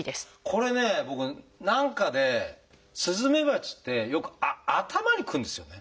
これね僕何かでスズメバチってよく頭に来るんですよね。